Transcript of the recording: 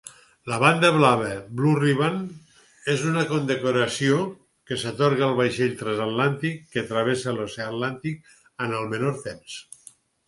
La Banda Blava (Blue Riband) és una condecoració que s'atorga al vaixell transatlàntic que travessa l'oceà Atlàntic en el menor temps.